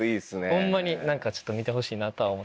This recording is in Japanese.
ホンマにちょっと見てほしいなとは思ってます。